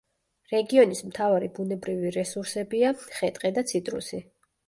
რეგიონის მთავარი ბუნებრივი რესურსებია: ხე-ტყე და ციტრუსი.